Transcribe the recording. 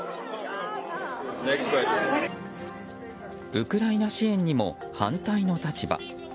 ウクライナ支援にも反対の立場。